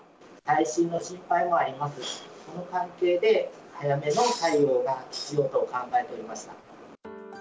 耐震の心配もありますし、その関係で、早めの対応が必要と考えておりました。